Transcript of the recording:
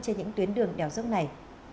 trên những tuyến đường đèo dốc này